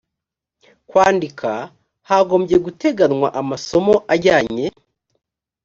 kwandika hagomba guteganywa amasomo ajyanye